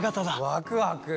ワクワク。